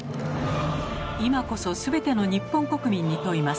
今こそすべての日本国民に問います。